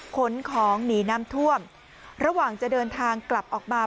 ขนของหนีน้ำท่วมระหว่างจะเดินทางกลับออกมา